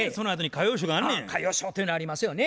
歌謡ショーというのありますよね。